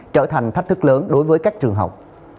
trở thành thách thức lớn đối với các trường học